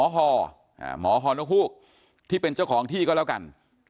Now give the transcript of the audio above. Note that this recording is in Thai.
หมอฮนกฮูกที่เป็นเจ้าของที่ก็แล้วกัน